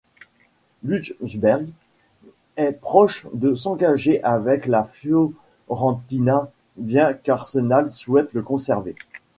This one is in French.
Ljungberg est proche de s'engager avec la Fiorentina bien qu'Arsenal souhaite le conserver.